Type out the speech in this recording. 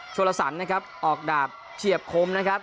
โชลสรรออกดาบเฉียบคมนะครับ